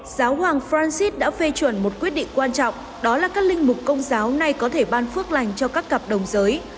giáo hoàng francis đã phê chuẩn một quyết định quan trọng đó là các linh mục công giáo nay có thể ban phước lành cho các cặp đồng giới